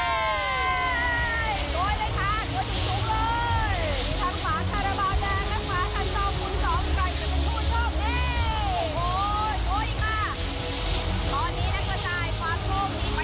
ครั้งฝานทาราบาลแดงและฝานกันคุณสองไปเป็นผู้ช่องดี